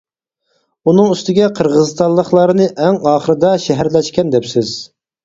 ئۇنىڭ ئۈستىگە قىرغىزىستانلىقلارنى ئەڭ ئاخىرىدا شەھەرلەشكەن دەپسىز.